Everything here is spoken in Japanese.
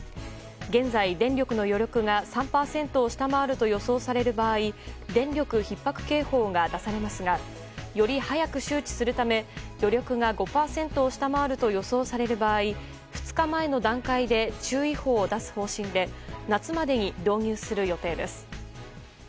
現在、電力の余力が３％を下回ると予想される場合電力ひっ迫警報が出されますがより早く周知するため余力が５％を下回ると予想される場合２日前の段階で注意報を出す方針で夏までに導入する予定です。